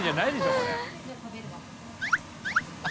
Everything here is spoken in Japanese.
これ。